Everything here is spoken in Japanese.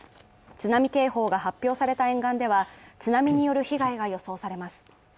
津波警報が発表された沿岸では津波による被害が予想されます。